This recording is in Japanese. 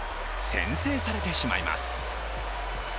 先制されてしまいます。